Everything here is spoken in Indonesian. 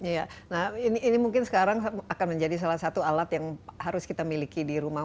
iya nah ini mungkin sekarang akan menjadi salah satu alat yang harus kita miliki di rumah